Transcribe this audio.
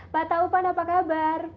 pak taufan apa kabar